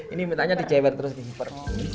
ini makanya diceber terus dihiper